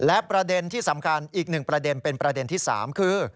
และประเด็นที่สำคัญอีกหนึ่งประเด็นเป็นประเด็นที่๓คือ